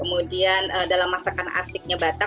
kemudian dalam masakan arsiknya batak